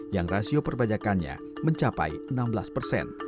yang rasio perpajakannya mencapai enam belas persen